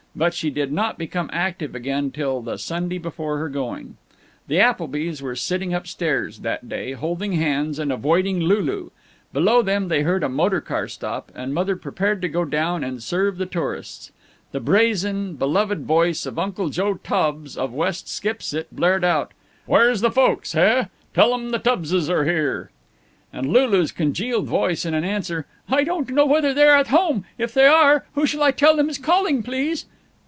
But she did not become active again till the Sunday before her going. The Applebys were sitting up stairs, that day, holding hands and avoiding Lulu. Below them they heard a motor car stop, and Mother prepared to go down and serve the tourists. The brazen, beloved voice of Uncle Joe Tubbs of West Skipsit blared out: "Where's the folks, heh? Tell 'em the Tubbses are here." And Lulu's congealed voice, in answer: "I don't know whether they are at home. If they are, who shall I tell them is calling, please?"